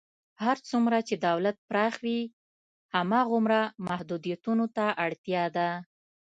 هر څومره چې دولت پراخ وي، هماغومره محدودیتونو ته اړتیا ده.